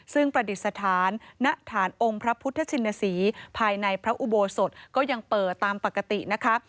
ซึ่งประดิษฐานณฐานองค์พระพุทธชินศรีภายในพระอุโบสถก็ยังเปิดตามปกตินะคะ